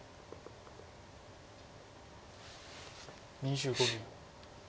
２５秒。